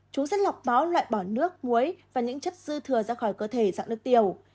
chúng sẽ lọc máu loại bỏ nước muối và những chất dư thừa ra khỏi cơ thể dạng nước tiểu